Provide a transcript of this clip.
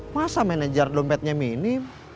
masa manajer dompetnya minim